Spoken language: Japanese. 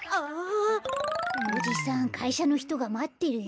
おじさんかいしゃのひとがまってるよ。